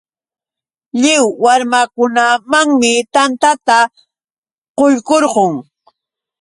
Lliw warmakunamanmi tantata quykurqun.